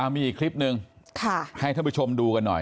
มีอีกคลิปหนึ่งให้ท่านผู้ชมดูกันหน่อย